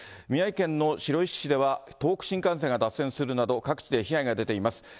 宮城県の白石市では、東北新幹線が脱線するなど、各地で被害が出ています。